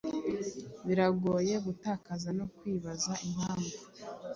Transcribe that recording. Biragoye gutakaza no kwibaza impamvu